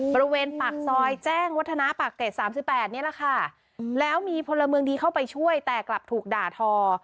บริเวณปากซอยแจ้งวัฒนาปากเกร็ดสามสิบแปดนี่แหละค่ะแล้วมีพลเมืองดีเข้าไปช่วยแต่กลับถูกด่าทอ